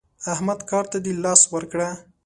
احمده کار ته دې لاس ورکړ؟